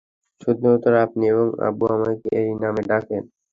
শুধুমাত্র আপনি এবং আব্বু আমাকে এই নামে ডাকেন!